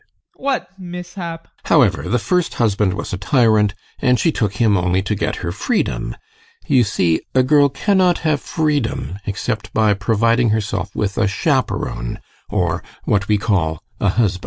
ADOLPH. What mishap? GUSTAV. However, the first husband was a tyrant, and she took him only to get her freedom. You see, a girl cannot have freedom except by providing herself with a chaperon or what we call a husband.